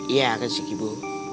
iya kan jeng ibu